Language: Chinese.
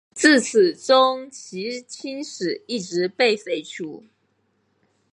自此中圻钦使一职被废除。